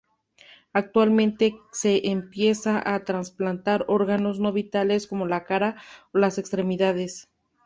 Actualmente, se empieza a trasplantar órganos no vitales como la cara o las extremidades.